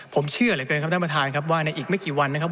ผมเชื่อเหลือเกินครับท่านประธานครับว่าในอีกไม่กี่วันนะครับ